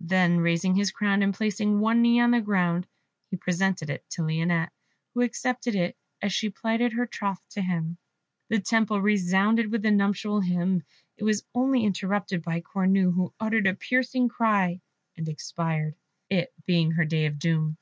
Then raising his crown, and placing one knee on the ground, he presented it to Lionette, who accepted it as she plighted her troth to him. The Temple resounded with the nuptial hymn. It was only interrupted by Cornue, who uttered a piercing cry, and expired, it being her day of doom.